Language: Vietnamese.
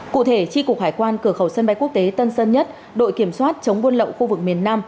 cụ thể tri cục hải quan cửa khẩu sân bay quốc tế tân sơn nhất đội kiểm soát chống buôn lậu khu vực miền nam